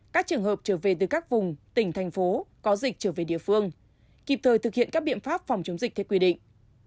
các trường hợp trở về từ các vùng tỉnh thành phố có dịch trở về địa phương kịp thời thực hiện các biện pháp phòng chống dịch theo quy định